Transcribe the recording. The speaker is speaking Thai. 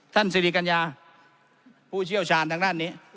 สิริกัญญาผู้เชี่ยวชาญทางด้านนี้